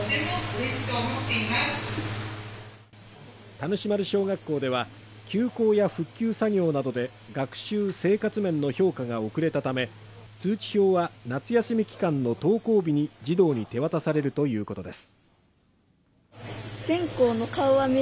田主丸小学校では、休校や復旧作業などで学習生活面の評価が遅れたため、通知表は、夏休み期間の登校日に児童に手渡されるということです。